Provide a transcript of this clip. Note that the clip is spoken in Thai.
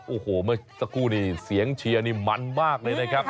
โอ้โหเมื่อสักครู่นี้เสียงเชียร์นี่มันมากเลยนะครับ